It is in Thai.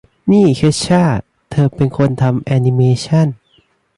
นี่เคชช่า เธอเป็นคนทำแอนิเมชั่น